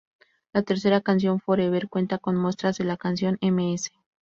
La tercera canción, "Forever", cuenta con muestras de la canción "Ms.